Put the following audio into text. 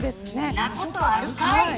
んなことあるかい。